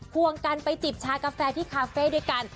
วงกันไปจิบชากาแฟที่คาเฟ่ด้วยกัน